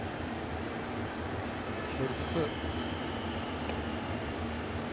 １人ずつ。